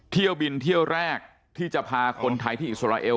เที่ยวบินเที่ยวแรกที่จะพาคนไทยที่อิสราเอล